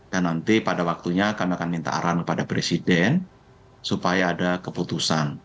dan nanti pada waktunya kami akan minta arahan kepada presiden supaya ada keputusan